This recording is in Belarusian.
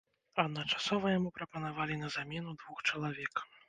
Адначасова яму прапанавалі на замену двух чалавек.